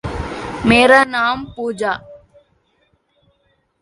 And the same is true for our elected officials and our government.